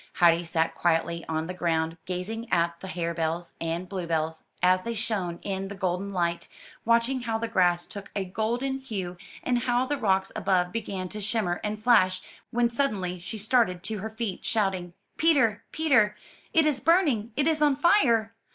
Heidi sat quietly on the ground, gazing at the hare bells and bluebells, as they shone in the golden light, watching how the grass took a golden hue, and how the rocks above began to shimmer and flash, when suddenly she started to her feet, shouting, 'Teter, Peter! it is burning, it is on fire!